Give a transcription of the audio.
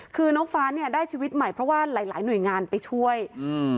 คือน้องฟ้าเนี้ยได้ชีวิตใหม่เพราะว่าหลายหลายหน่วยงานไปช่วยอืม